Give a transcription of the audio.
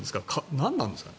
何なんですか？